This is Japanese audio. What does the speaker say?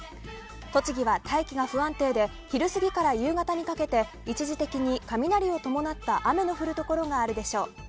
栃木は天気が不安定で昼過ぎから夕方にかけて一時的に雷を伴った雨の降るところがあるでしょう。